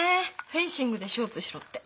フェンシングで勝負しろって。